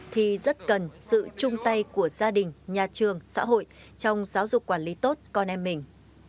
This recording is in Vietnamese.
thì rất cần sự chung tay của gia đình nhà trường xã hội trong giáo dục quản lý tốt con em mình